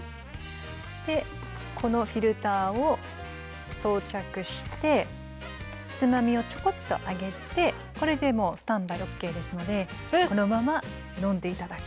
でこのフィルターを装着してつまみをちょこっと上げてこれでもうスタンバイＯＫですのでこのまま飲んで頂く。